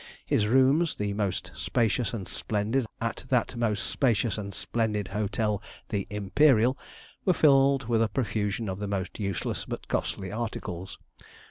His rooms, the most spacious and splendid at that most spacious and splendid hotel, the 'Imperial,' were filled with a profusion of the most useless but costly articles.